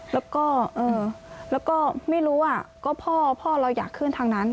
แล้วก็ไม่รู้ว่าก็พ่อเราอยากขึ้นทางนั้น